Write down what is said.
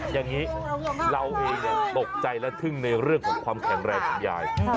อย่างนี้เราเองตกใจและทึ่งในเรื่องของความแข็งแรงของยาย